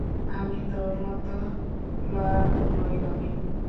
আমি তোর মতো লড়াকু নই, রবিন।